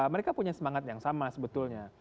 mereka punya semangat yang sama sebetulnya